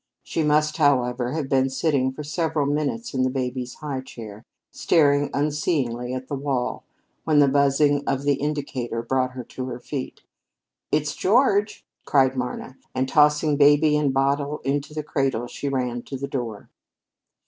She must, however, have been sitting for several minutes in the baby's high chair, staring unseeingly at the wall, when the buzzing of the indicator brought her to her feet. "It's George!" cried Marna; and tossing baby and bottle into the cradle, she ran to the door.